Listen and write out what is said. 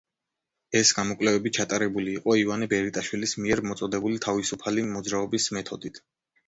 ეს გამოკვლევები ჩატარებული იყო ივანე ბერიტაშვილის მიერ მოწოდებული თავისუფალი მოძრაობის მეთოდით.